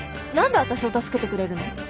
何で私を助けてくれるの？